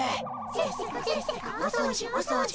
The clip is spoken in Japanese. せっせかせっせかお掃除お掃除。